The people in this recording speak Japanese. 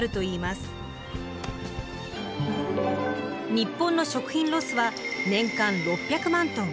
日本の食品ロスは年間６００万ｔ。